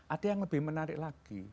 ada yang lebih menarik lagi